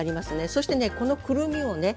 そしてねこのくるみをね